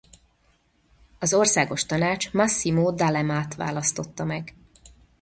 Az Országos Tanács Massimo D’Alemat választotta meg.